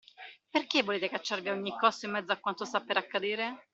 Perché volete cacciarvi a ogni costo in mezzo a quanto sta per accadere?